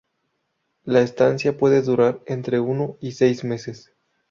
La estancia puede durar entre uno y seis meses.